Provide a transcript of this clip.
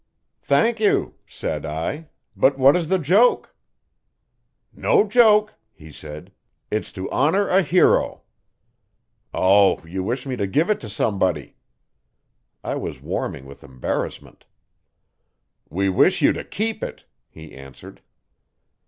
'Thank you!' said I, 'but what is the joke?' 'No joke,' he said. 'It's to honour a hero.' 'Oh, you wish me to give it to somebody.' I was warming with embarrassment 'We wish you to keep it,' he answered.